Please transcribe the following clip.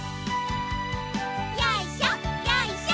よいしょよいしょ。